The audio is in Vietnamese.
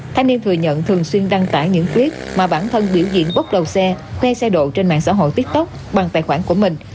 thanh niên thừa nhận thường xuyên đăng tải những quyết mà bản thân biểu diễn bốc đầu xe khoe xe độ trên mạng xã hội tiktok bằng tài khoản của mình